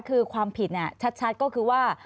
คือความผิดชัดก็คือว่า